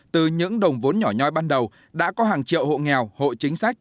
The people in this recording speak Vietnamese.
từ những đồng vốn nhỏ nhoi ban đầu đã có hàng triệu hộ nghèo hộ chính sách